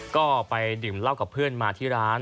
ก็ไปดื่มเหล้ากับเพื่อนมาที่ร้าน